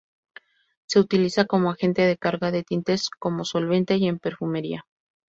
Se utiliza como agente de carga de tintes, como solvente y en perfumería.